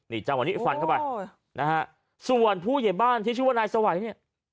นี่จังวันนี้ฟันเข้าไปโอ้โหนะฮะส่วนผู้เย็บบ้านที่ชื่อว่านายสวัสดิ์เนี้ย